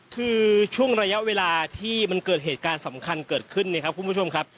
คือช่วงระยะเวลาที่มันเกิดเหตุการณ์สำคัญเกิดขึ้นนะครับคุณผู้ชมครับ